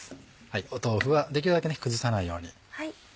豆腐はできるだけ崩さないように。